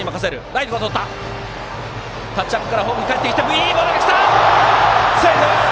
いいボールがきたが、セーフ！